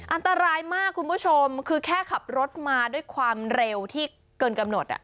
อันตรายมากคุณผู้ชมคือแค่ขับรถมาด้วยความเร็วที่เกินกำหนด